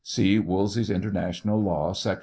(See Woolsey's International Law, sec.